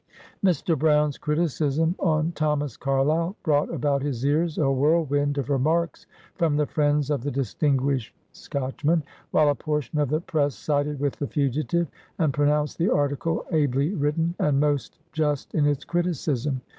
Mr. Brown's criticism on Thomas Carlyle brought about his ears a whirlwind of remarks from the friends of the distinguished Scotchman, while a portion of the press sided w^ith the fugitive, and pronounced the arti cle ably written and most just in its criticism.